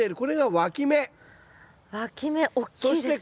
わき芽。